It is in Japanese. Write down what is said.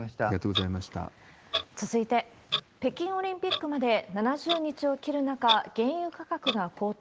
続いて、北京オリンピックまで７０日を切る中、原油価格が高騰。